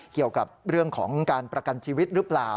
เกี่ยวกับเรื่องของการประกันชีวิตหรือเปล่า